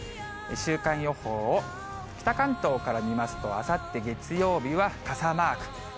週間予報を北関東から見ますと、あさって月曜日は傘マーク。